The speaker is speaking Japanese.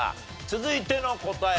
続いての答え